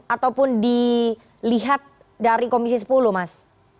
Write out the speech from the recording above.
ataupun dilihat dari komisi sepuluh mas